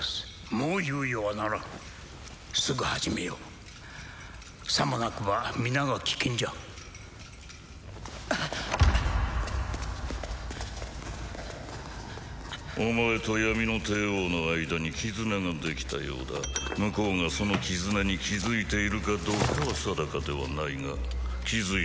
もう猶予はならんすぐ始めようさもなくば皆が危険じゃお前と闇の帝王の間に絆ができたようだ向こうがその絆に気づいているかどうかは定かではないが気づいておらぬことを祈るがいい